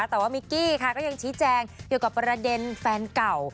แต่ว่ามิกกี้ค่ะก็ยังชี้แจงเกี่ยวกับประเด็นแฟนเก่า